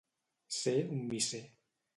Ser un misser.